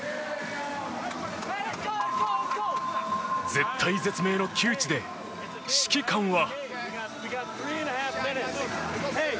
絶体絶命の窮地で、指揮官は。